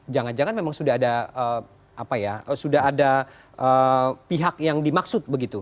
jangan jangan memang sudah ada pihak yang dimaksud begitu